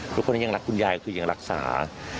ทุกคนยังรักคุณยายก็คือยังรักษา